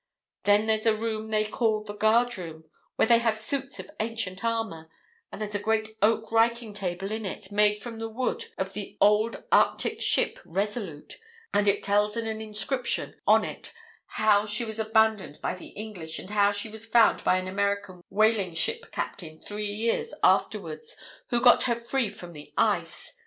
Then there's a room they call the Guard Room, where they have suits of ancient armor; and there's a great oak writing table in it made from the wood of the old Arctic ship Resolute; and it tells in an inscription on it how she was abandoned by the English, and how she was found by an American whaling ship captain three years afterwards, who got her free from the ice.